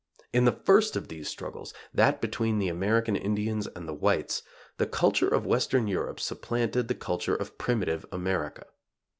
In the first of these struggles that between the American Indians and the whites, the culture of Western Europe supplanted the culture of primitive America.